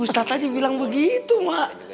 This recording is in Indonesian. ustadz tadi bilang begitu mak